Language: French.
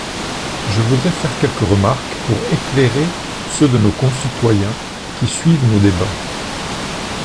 Je voudrais faire quelques remarques pour éclairer ceux de nos concitoyens qui suivent nos débats.